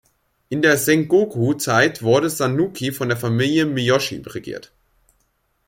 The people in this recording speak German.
In der Sengoku-Zeit wurde Sanuki von der Familie Miyoshi regiert.